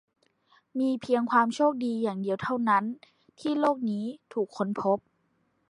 มีเพียงความโชคดีอย่างเดียวเท่านั้นแหละ ที่โลกนี้ถูกค้นพบ